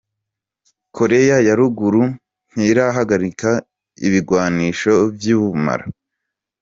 Korea ya ruguru ntirahagarika ibigwanisho vy'ubumara.